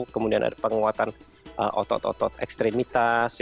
kemudian ada penguatan otot otot ekstremitas